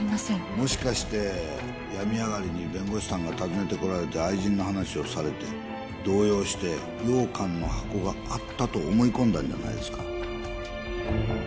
もしかして病み上がりに弁護士さんが訪ねてこられて愛人の話をされて動揺して羊羹の箱があったと思い込んだんじゃないですか？